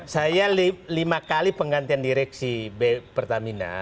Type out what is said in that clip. saya lima kali penggantian direksi pertamina